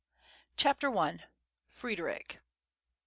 CHAPTER I. FREDERIC.